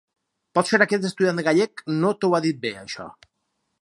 Potser aquest estudiant gallec no t'ho ha dit bé, això.